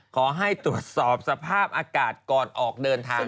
ขอให้ตรวจสอบสภาพอากาศก่อนออกเดินทาง